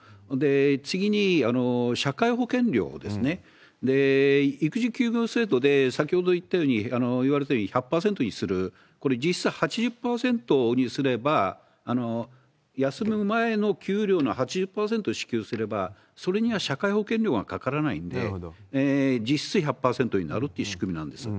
次に社会保険料ですね、育児休業制度で、先ほど言われたように１００％にする、これ、実質８０％にすれば、休む前の給料の８０％支給すれば、それには社会保険料がかからないんで、実質１００％になるという仕組みなんです。